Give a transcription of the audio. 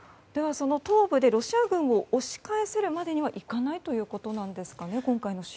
その東部でロシア軍を押し返せるまでにはいかないということですかね。